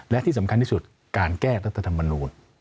และที่สำคัญที่สุดการแก้รัฐธรรมนูล